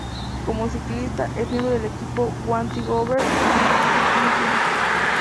Como ciclista, es miembro del equipo Wanty-Gobert Cycling Team.